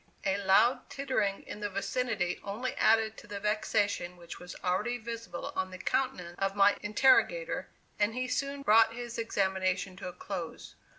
A loud tittering in the vicinity only added to the vexation which was already visible on the countenance of my interrogator, and he soon brought his examination to a close.